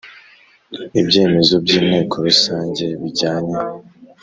Ibyemezo by Inteko Rusange bijyanye